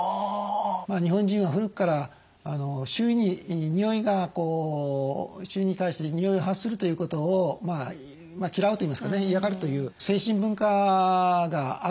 日本人は古くから周囲に対してにおいを発するということを嫌うと言いますかね嫌がるという精神文化がある感じなんですね。